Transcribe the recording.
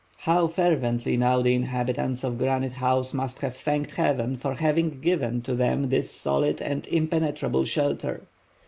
How fervently now the inhabitants of Granite House must have thanked Heaven for having given to them this solid and impenetrable shelter!